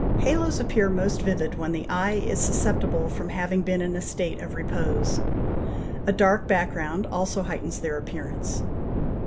Halos appear most vivid when the eye is susceptible from having been in a state of repose. A dark background also heightens their appearance.